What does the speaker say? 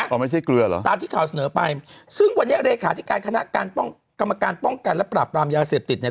ไม่ใช่เกลือเหรอตามที่ข่าวเสนอไปซึ่งวันนี้เลขาธิการคณะการป้องกรรมการป้องกันและปราบปรามยาเสพติดเนี่ย